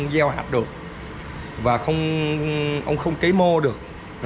và ông không cấy mô được